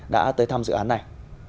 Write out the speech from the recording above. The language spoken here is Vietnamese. đã tới thăm dự án này